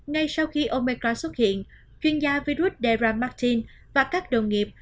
ngay sau khi omecra xuất hiện chuyên gia virus dera martin và các đồng nghiệp